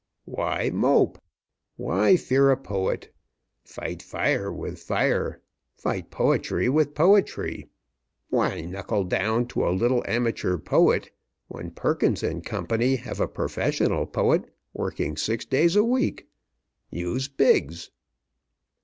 "Why mope? Why fear a poet? Fight fire with fire; fight poetry with poetry! Why knuckle down to a little amateur poet when Perkins & Co. have a professional poet working six days a week? Use Biggs."